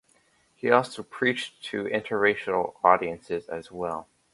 He also preached to interracial audiences as well.